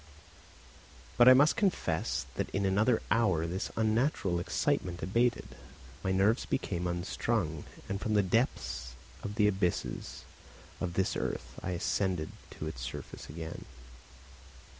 But I must confess that in another hour this unnatural excitement abated, my nerves became unstrung, and from the depths of the abysses of this earth I ascended to its surface again.